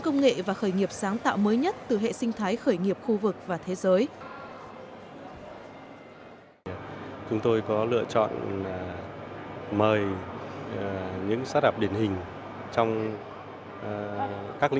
công nghệ và khởi nghiệp sáng tạo mới nhất từ hệ sinh thái khởi nghiệp khu vực và thế giới